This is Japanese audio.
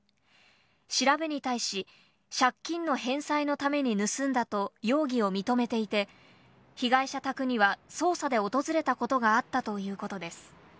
調べに対し、借金の返済のために盗んだと容疑を認めていて、被害者宅には捜査で訪れたことがあったということです。